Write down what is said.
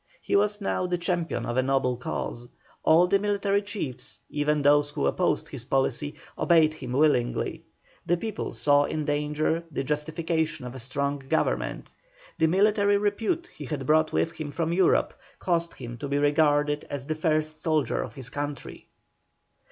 He was now the champion of a noble cause; all the military chiefs, even those who opposed his policy, obeyed him willingly; the people saw in danger the justification of a strong government; the military repute he had brought with him from Europe caused him to be regarded as the first soldier of his country.